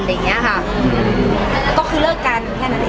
ครับก็คือเลิกการแค่นั้นแอ